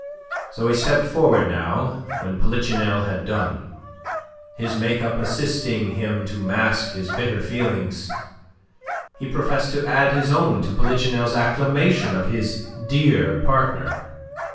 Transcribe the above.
So he stepped forward now when Polichinelle had done. His make up assisting him to mask his bitter feelings, he professed to add his own to Polichinelle's acclamations of his dear partner.